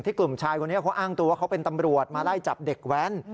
กลุ่มชายคนนี้เขาอ้างตัวเขาเป็นตำรวจมาไล่จับเด็กแว้น